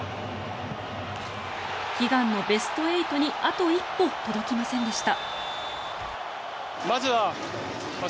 悲願のベスト８にあと一歩届きませんでした。